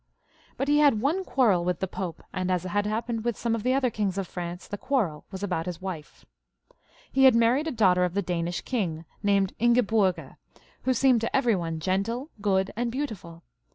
But he had one quarrel with the Pope, and as had happened with some of the other kings of France, the quarrel was about his wife. He had married a daughter of the Danish king, named Ingeburga, who seemed to every one gentle, good, and beautiful.